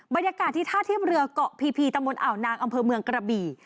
บรรยากาศที่ท่าเทียบเรือเกาะพีพีตะมนอ่าวนางอำเภอเมืองกระบี่